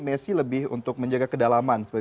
messi lebih untuk menjaga kedalaman